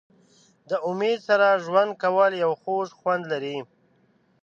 د امید سره ژوند کول یو خوږ خوند لري.